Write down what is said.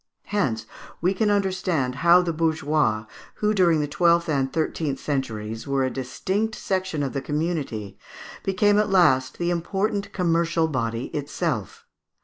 Hence we can understand how the bourgeois, who during the twelfth and thirteenth centuries were a distinct section of the community, became at last the important commercial body itself.